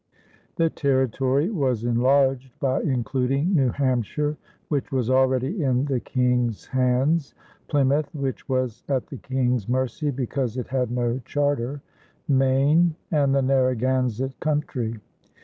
The territory was enlarged by including New Hampshire, which was already in the King's hands, Plymouth, which was at the King's mercy because it had no charter, Maine, and the Narragansett country.